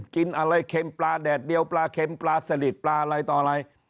กินอะไรเค็มปลาแดดเดียวปลาเค็มปลาสลิดปลาอะไรต่ออะไร